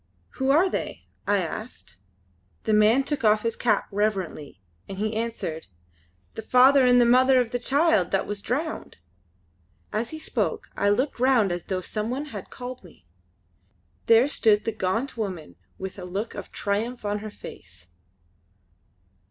"Who are they?" I asked. The man took off his cap reverently as he answered: "The father and mother of the child that was drowned!" As he spoke I looked round as though some one had called me. There stood the gaunt woman with a look of triumph on her face.